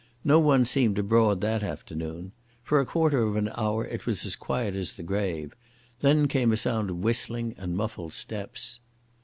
No one seemed abroad that afternoon. For a quarter of an hour it was as quiet as the grave. Then came a sound of whistling, and muffled steps.